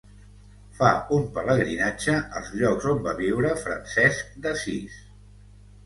Fa un pelegrinatge als llocs on va viure Francesc d'Assís.